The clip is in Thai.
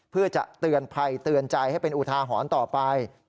เพื่อจะเตือนภัยเตือนใจให้เป็นอุทาหรณ์ต่อไป